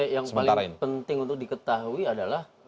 yang paling penting untuk diketahui adalah